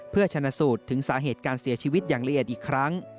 เพื่อชนะสูตรถึงสาเหตุการเสียชีวิตอย่างละเอียดอีกครั้ง